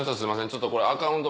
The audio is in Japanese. ちょっとこれアカウント